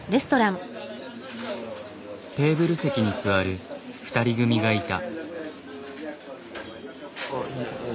テーブル席に座る２人組がいた。